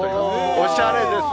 おしゃれです。